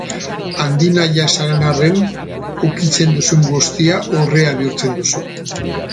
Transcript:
Handinahia ez zaren arren, ukitzen duzun guztia urrea bihurtzen duzu.